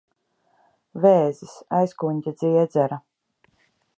Vēzis. Aizkuņģa dziedzera.